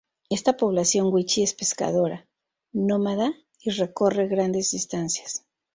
Esta población wichí es pescadora, nómada y recorre grandes distancias.